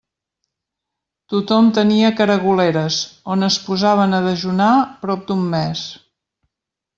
Tothom tenia caragoleres, on es posaven a dejunar prop d'un mes.